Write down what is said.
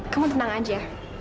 kamu tenang aja